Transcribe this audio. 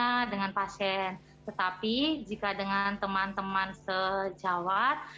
karena dengan pasien tetapi jika dengan teman teman sejawat